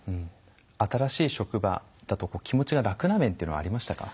新しい職場だと気持ちが楽な面っていうのはありましたか？